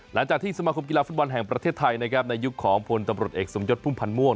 หลังจากที่สมาคมกีฬาฟุตบอลแห่งประเทศไทยนะครับในยุคของพลตำรวจเอกสมยศพุ่มพันธ์ม่วง